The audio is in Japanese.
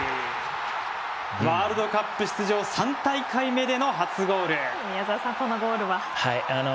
ワールドカップ出場３大会目での初ゴール宮澤さん。